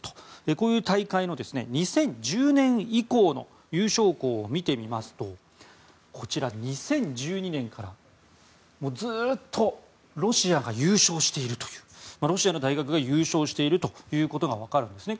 こういう大会の２０１０年以降の優勝校を見てみますと２０１２年からずっとロシアの大学が優勝しているということが分かるんですね。